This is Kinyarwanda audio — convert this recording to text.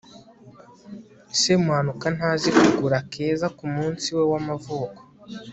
semuhanuka ntazi kugura keza kumunsi we w'amavuko